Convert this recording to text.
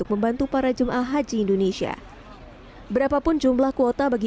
kemampuan yang diperlukan kemampuan yang diperlukan kemampuan berapapun jumlah kuota bagi